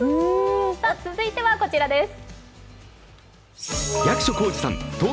続いてはこちらです。